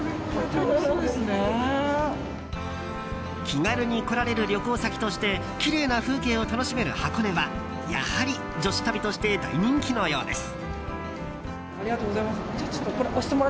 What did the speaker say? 気軽に来られる旅行先としてきれいな風景を楽しめる箱根はやはり女子旅として大人気のようです。